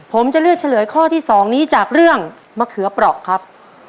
ผมจะเลือกเฉลยข้อที่๒นี้จากเรื่องมะเขือเปราะครับ